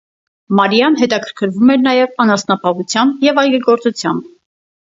Մարիան հետաքրքրվում էր նաև անասնապահությամբ և այգեգործությամբ։